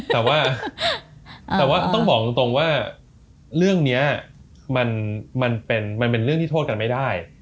แต่ว่าแต่ว่าต้องบอกตรงว่าเรื่องนี้มันเป็นเรื่องที่โทษกันไม่ได้